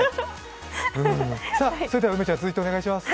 それでは梅ちゃん続いてお願いします。